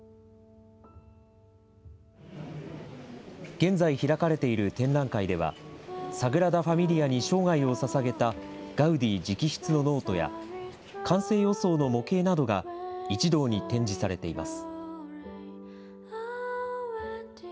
現在開かれている展覧会では、サグラダ・ファミリアに生涯をささげた、ガウディ直筆のノートや、完成予想の模型などが、一堂に展示されています。